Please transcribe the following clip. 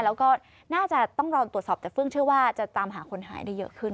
แล้วก็น่าจะต้องรอตรวจสอบแต่เฟื่องเชื่อว่าจะตามหาคนหายได้เยอะขึ้น